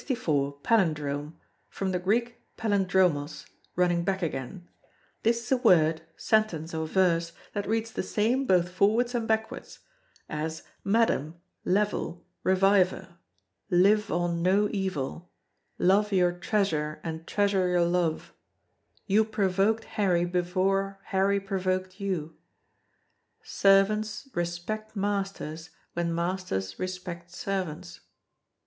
Palindrome, from the Greek palin dromos, running back again. This is a word, sentence, or verse that reads the same both forwards and backwards as, madam, level, reviver; live on no evil; love your treasure and treasure your love; you provoked Harry before Harry provoked you; servants respect masters when masters respect servants.